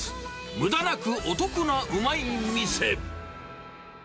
むだなくお得なうまい店。